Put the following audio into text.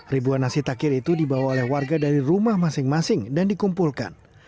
ribuan nasi takir itu dibawa oleh warga dari rumah masing masing dan dikumpulkan